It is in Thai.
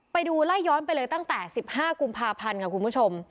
ไปดูไล่ย้อนไปเลยตั้งแต่๑๕กุมภาพันธ์ค่ะคุณผู้ชม